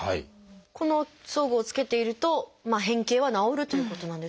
この装具を着けていると変形は治るということなんですか？